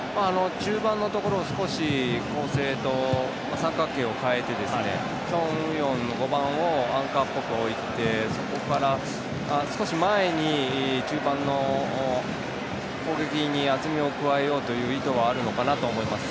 中盤のところを構成と三角形を変えてチョン・ウヨンの５番をアンカーっぽく置いてそこから少し前に中盤の攻撃に厚みを加えようという意図はあるのかなと思います。